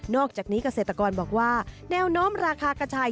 อกจากนี้เกษตรกรบอกว่าแนวโน้มราคากระชาย